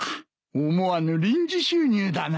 思わぬ臨時収入だな。